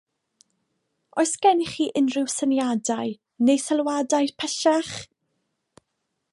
Oes gennych chi unrhyw syniadau neu sylwadau pellach?